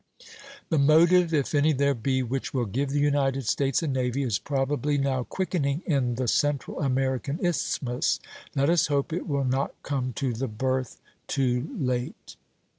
The motive, if any there be, which will give the United States a navy, is probably now quickening in the Central American Isthmus. Let us hope it will not come to the birth too late.